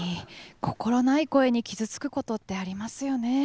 心ない声に傷つくことってありますよね。